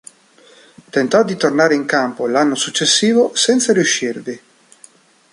Tentò di tornare in campo l'anno successivo senza riuscirvi.